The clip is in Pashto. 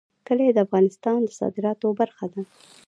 کلي د افغانستان د صادراتو برخه ده.